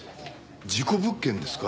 事故物件ですか？